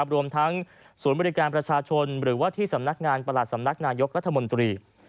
รวมทั้งศูนย์บริการประชาชนหรือว่าที่สำนักงานประหลัดสำนักนายกรัฐมนตรี